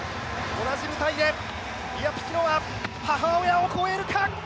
同じ舞台でイアピキノが母親を超えるか。